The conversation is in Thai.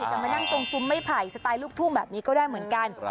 จะมานั่งตรงซุ้มไม่ไผ่สไตล์ลูกทุ่งแบบนี้ก็ได้เหมือนกัน